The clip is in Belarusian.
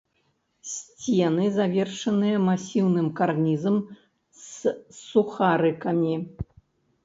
Сцены завершаныя масіўным карнізам з сухарыкамі.